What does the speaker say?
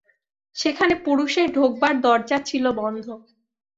সেখানে পুরুষের ঢোকবার দরজা ছিল বন্ধ।